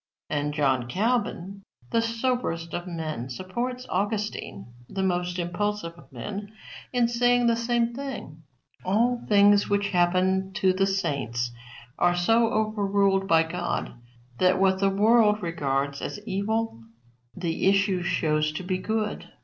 And John Calvin, the soberest of men, supports Augustine, the most impulsive of men, in saying the same thing. All things which happen to the saints are so overruled by God that what the world regards as evil the issue shows to be good.